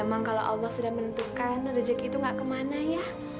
emang kalau allah sudah menentukan rezeki itu gak kemana ya